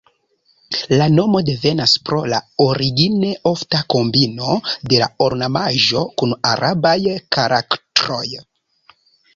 La nomo devenas pro la origine ofta kombino de la ornamaĵo kun arabaj karaktroj.